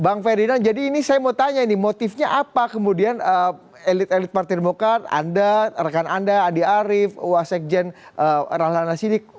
bang ferdinand jadi ini saya mau tanya ini motifnya apa kemudian elit elit partai demokrat anda rekan anda andi arief wasekjen rahlan nasidik